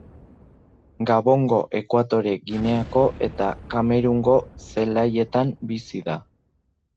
Gabongo, Ekuatore Gineako eta Kamerungo zelaietan bizi da.